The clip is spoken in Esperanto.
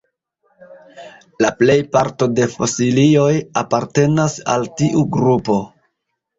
La plej parto de fosilioj apartenas al tiu grupo.